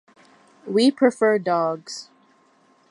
We prefer dogs.